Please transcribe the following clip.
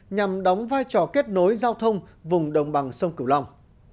nhằm đóng vai trò kết nối giao thông vùng đồng bằng sông cửu long